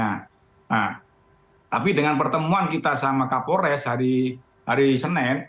nah tapi dengan pertemuan kita sama kak pores hari hari senin